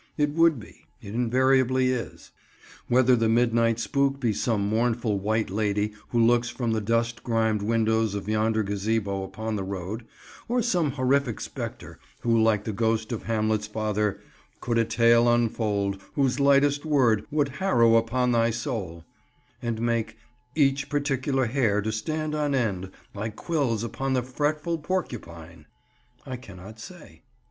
It would be: it invariably is. Whether the midnight spook be some mournful White Lady who looks from the dust grimed windows of yonder gazebo upon the road, or some horrific spectre who like the ghost of Hamlet's father "could a tale unfold, whose lightest word Would harrow up thy soul" and make "Each particular hair to stand on end, Like quills upon the fretful porcupine," I cannot say.